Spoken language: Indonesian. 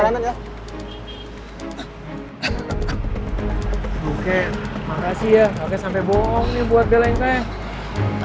kakek sampai bohong nih buat belengkai